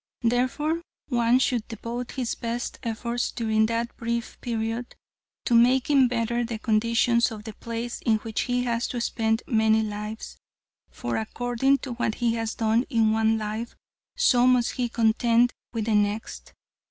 Therefore, one should devote his best efforts during that brief period, to making better the conditions of the place in which he has to spend many lives, for, according to what he has done in one life, so must he contend with in the next.